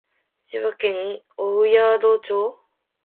千葉県御宿町